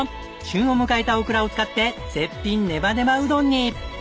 旬を迎えたオクラを使って絶品ネバネバうどんに！